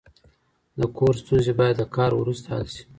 د کور ستونزې باید د کار وروسته حل شي.